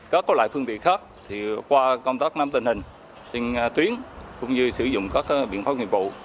các loại phương tiện khác qua công tác nắm tình hình trên tuyến cũng như sử dụng các biện pháp nghiệp vụ